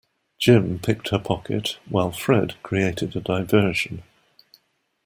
Jim picked her pocket while Fred created a diversion